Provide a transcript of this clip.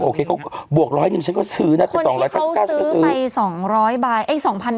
โอเคเขาบวกร้อยหนึ่งฉันก็ซื้อน่ะคนที่เขาซื้อไปสองร้อยใบเอ้ยสองพัน